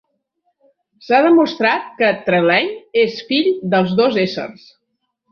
S'ha demostrat que Trelane és "fill" dels dos éssers.